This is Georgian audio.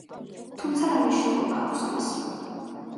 თუმცა, რა მნიშვნელობა აქვს ამას.